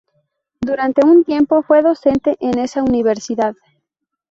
Durante un tiempo fue docente en esa Universidad.